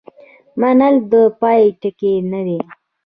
منل د پای ټکی نه دی.